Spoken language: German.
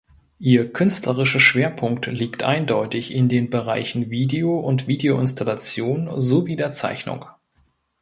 Ihr künstlerischer Schwerpunkt liegt eindeutig in den Bereichen Video und Videoinstallation sowie der Zeichnung.